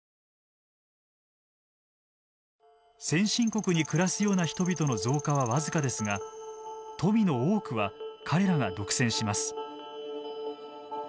先進国に暮らすような人々の増加は僅かですが富の多くは彼らが独占します。